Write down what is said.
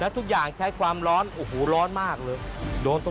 ไสมัยนี่มันจะช้าไม่ได้เลยเพราะช้าเสียทั้งที